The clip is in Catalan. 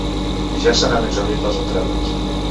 Ja se n’han exhaurit les entrades.